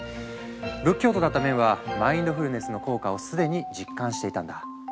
仏教徒だったメンはマインドフルネスの効果を既に実感していたんだ。